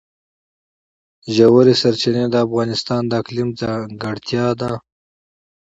ژورې سرچینې د افغانستان د اقلیم ځانګړتیا ده.